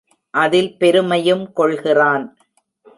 அதில் பெருமையும் கொள்கிறான்.